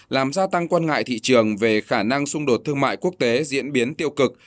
làm gia tăng quan ngại thị trường về khả năng xung đột thương mại quốc tế diễn biến tiêu cực